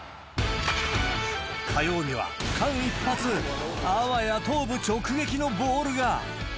火曜には間一髪、あわや頭部直撃のボールが。